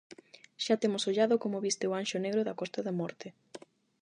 Xa temos ollado como viste o Anxo negro da Costa da Morte.